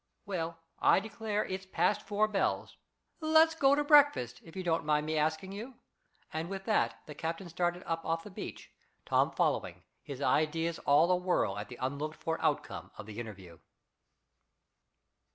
Well, I declare, it's past four bells. Let's go to breakfast, if you don't mind me asking you," and with that the captain started off up the beach, Tom following, his ideas all a whirl at the unlooked for outcome of the interview.